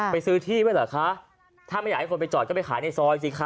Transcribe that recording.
ซื้อที่ไว้เหรอคะถ้าไม่อยากให้คนไปจอดก็ไปขายในซอยสิคะ